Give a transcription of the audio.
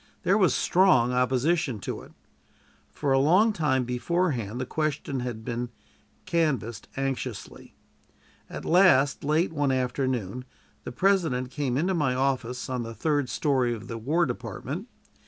There was strong opposition to it. For a long time beforehand the question had been canvassed anxiously. At last, late one afternoon, the President came into my office, in the third story of the War Department.